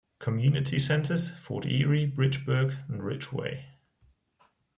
Community centres: Fort Erie, Bridgeburg and Ridgeway.